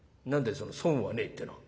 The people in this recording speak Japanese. その損はねえってのは。